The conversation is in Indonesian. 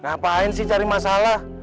ngapain sih cari masalah